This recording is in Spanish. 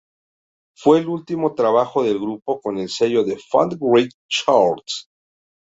Fue el último trabajo del grupo con el sello Fat Wreck Chords.